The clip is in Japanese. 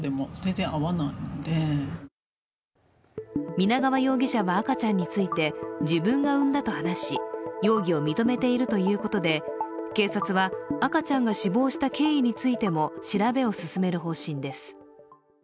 皆川容疑者は赤ちゃんについて自分が産んだと話し容疑を認めているということで警察は赤ちゃんが死亡した経緯についても調べを進める方針です。